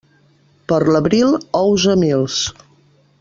Per l'abril, ous a mils.